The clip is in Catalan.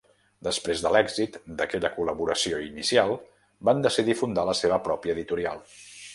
Després de l'èxit d'aquella col·laboració inicial, van decidir fundar la seva pròpia editorial.